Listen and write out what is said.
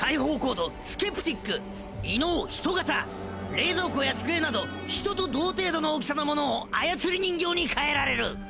冷蔵庫や机など人と同程度の大きさのモノを操り人形に変えられる！